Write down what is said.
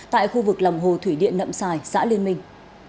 tại khu vực lòng hồ thủy điện nậm xài xã liên minh